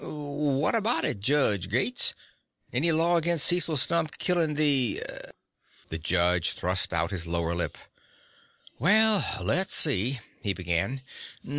"What about it, Judge Gates? Any law against Cecil Stump killing the ... uh...?" The judge thrust out his lower lip. "Well, let's see," he began.